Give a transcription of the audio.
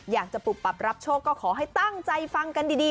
อยากจะปุบปับรับโชคก็ขอให้ตั้งใจฟังกันดี